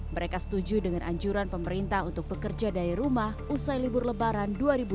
mereka setuju dengan anjuran pemerintah untuk bekerja dari rumah usai libur lebaran dua ribu dua puluh